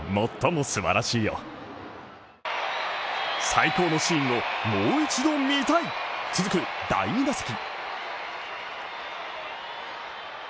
最高のシーンをもう一度見たい続く第２打席。